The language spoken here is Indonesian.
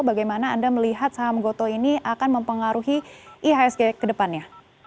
bagaimana anda melihat saham gotoh ini akan mempengaruhi ihsg ke depannya